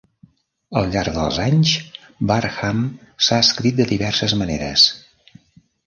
Al llarg dels anys, Barham s'ha escrit de diverses maneres.